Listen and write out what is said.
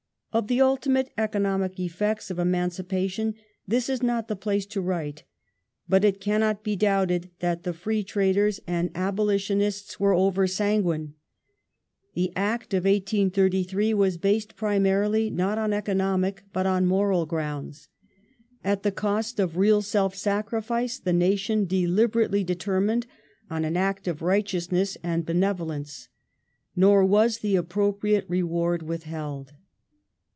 Of the ultimate economic effects of emancipation this is not the place to write, but it cannot be doubted that the free traders and abolition 108 THE RULE OF THE WHIGS [1830 ists were over sanguine. The Act of 1833 was based primarily not on economic, but on moral grounds. At the cost of real self sacrifice the . nation deliberately determined on an act of righteousness and benevolence. Nor was the appropriate reward withheld.